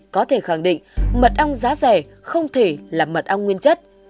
có thể khẳng định mật ong giá rẻ không thể là mật ong nguyên chất